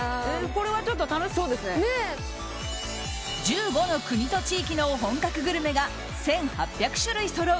１５の国と地域の本格グルメが１８００種類そろう